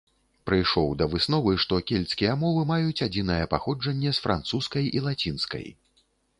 Прыйшоў да высновы, што кельцкія мовы маюць адзінае паходжанне з французскай і лацінскай.